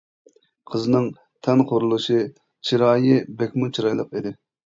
قىزنىڭ تەن قۇرۇلۇشى، چىرايى بەكمۇ چىرايلىق ئىدى.